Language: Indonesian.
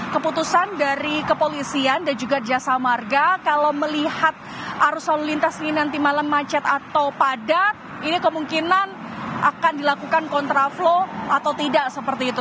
keputusan dari kepolisian dan juga jasa marga kalau melihat arus lalu lintas ini nanti malam macet atau padat ini kemungkinan akan dilakukan kontraflow atau tidak seperti itu